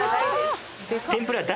天ぷら大？